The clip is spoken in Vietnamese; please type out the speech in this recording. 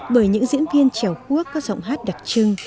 bởi những diễn viên trèo khuốc có giọng hát đặc trưng